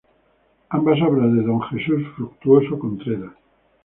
Ambas obras de Don Jesús Fructuoso Contreras.